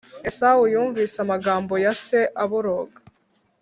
Esawu yumvise amagambo ya se aboroga